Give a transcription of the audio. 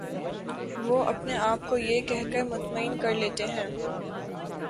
وہ اپنے آپ کو یہ کہہ کر مطمئن کر لیتے ہیں